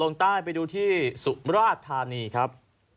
ลงใต้ไปดูที่สุมราชธานีครับ